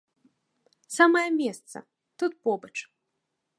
Самае месца, тут побач.